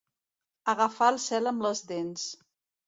Agafar el cel amb les dents.